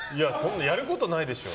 やることないでしょ。